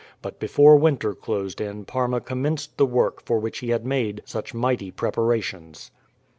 But before winter closed in Parma commenced the work for which he had made such mighty preparations.